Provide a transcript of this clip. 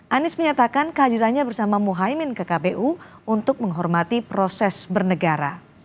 anies menyatakan kehadirannya bersama muhaymin ke kpu untuk menghormati proses bernegara